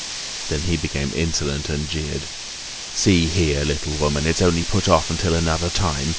Then he became insolent, and jeered: "See here, little woman, it's only put off until another time.